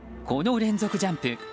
この連続ジャンプ